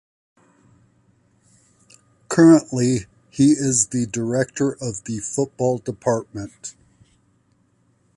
Currently he is the Director of the Football Department.